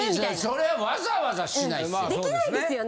それはわざわざしないっすよ。